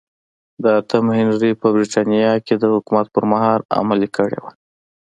د اتم هنري په برېټانیا کې د حکومت پرمهال عملي کړې وه.